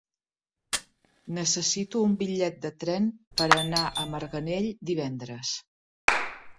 Necessito un bitllet de tren per anar a Marganell divendres.